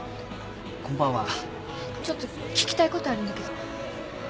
ちょっと聞きたいことあるんだけど。